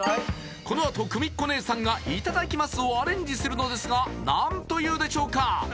このあとくみっこ姉さんが「いただきます」をアレンジするのですが何と言うでしょうか？